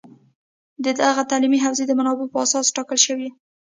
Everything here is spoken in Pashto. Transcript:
دغه تعلیمي حوزه د منابعو په اساس ټاکل شوې ده